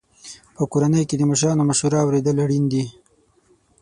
په کورنۍ کې د مشرانو مشوره اورېدل اړین دي.